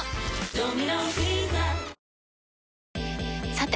さて！